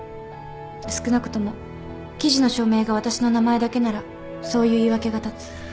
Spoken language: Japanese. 少なくとも記事の署名が私の名前だけならそういう言い訳が立つ。